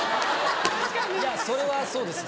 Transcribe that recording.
いやそれはそうです。